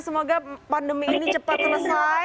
semoga pandemi ini cepat selesai